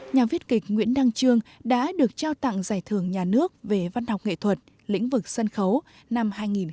nhà viết kịch nguyễn đăng trương đã được trao tặng giải thưởng nhà nước về văn học nghệ thuật lĩnh vực sân khấu năm hai nghìn một mươi tám